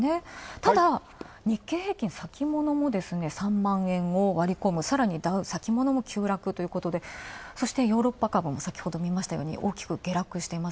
ただ、日経平均先物も３万円を割り込む、先物も急落ということでそしてヨーロッパ株も大きく下落しています。